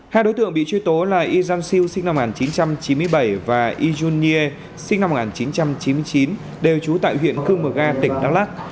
hai đối tượng bị truy tố là yizhan siu sinh năm một nghìn chín trăm chín mươi bảy và yijun nie sinh năm một nghìn chín trăm chín mươi chín đều trú tại huyện khương mực ga tỉnh đắk lắc